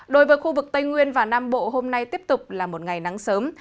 đối với khu vực tây nguyên và nam bộ hôm nay tiếp tục là một ngày nắng sớm